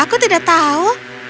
aku tidak tahu